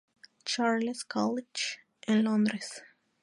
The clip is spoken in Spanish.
Charles College, en Londres.